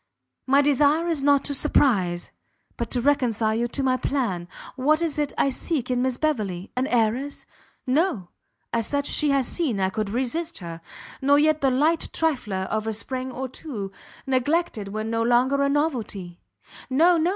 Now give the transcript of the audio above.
My desire is not to surprize, but to reconcile you to my plan. What is it I seek in Miss Beverley? An Heiress? No, as such she has seen I could resist her; nor yet the light trifler of a spring or two, neglected when no longer a novelty; no, no!